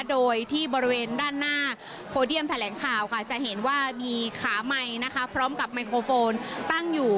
โดยที่บริเวณด้านหน้าโพเดียมแถลงข่าวค่ะจะเห็นว่ามีขาไมค์นะคะพร้อมกับไมโครโฟนตั้งอยู่